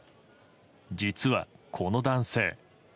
実は、この男性